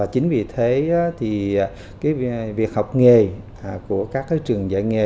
chính vì thế thì việc học nghề của các trường dạy nghề